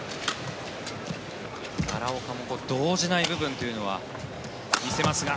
奈良岡も動じない部分というのは見せますが。